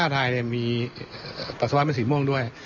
๕ทายเนี่ยมีตัสสาวะเป็นสีม่วงด้วย